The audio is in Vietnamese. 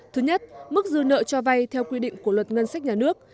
thứ nhất mức dư nợ cho vay theo quy định của luật ngân sách nhà nước